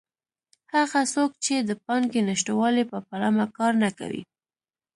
هغه څوک چې د پانګې نشتوالي په پلمه کار نه کوي.